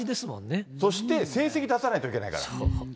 そして成績出さないといけなそう。